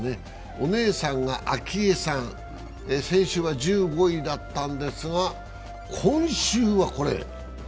お姉さんが明愛さん、先週は１５位だったんですが、今週はこれ。